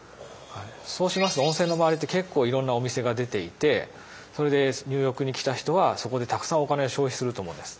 そうしますと温泉の周りって結構いろんなお店が出ていてそれで入浴に来た人はそこでたくさんお金を消費すると思うんです。